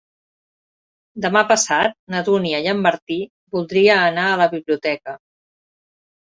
Demà passat na Dúnia i en Martí voldria anar a la biblioteca.